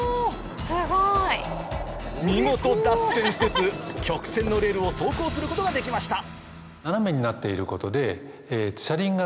すごい！見事脱線せず曲線のレールを走行することができました